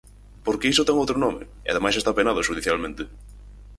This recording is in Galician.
Porque iso ten outro nome e ademais está penado xudicialmente.